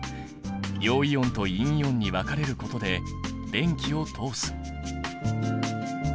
陽イオンと陰イオンに分かれることで電気を通す。